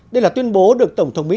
đây là tuyên bố được tổng thống mỹ